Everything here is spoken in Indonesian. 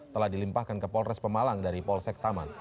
telah dilimpahkan ke polres pemalang dari polsek taman